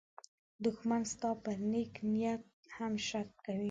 دښمن ستا پر نېک نیت هم شک کوي